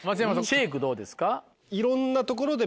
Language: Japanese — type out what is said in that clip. シェークどうですか？